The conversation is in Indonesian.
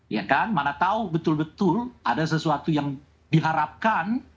ya kan mana tahu betul betul ada sesuatu yang diharapkan